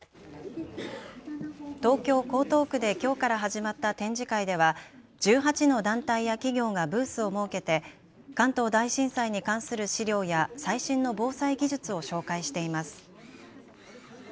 東京江東区できょうから始まった展示会では１８の団体や企業がブースを設けて関東大震災に関する資料や最新の防災技術を紹介しています。